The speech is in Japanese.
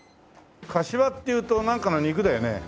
かしわっていうとなんかの肉だよね。